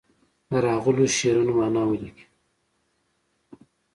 د راغلو شعرونو معنا ولیکي.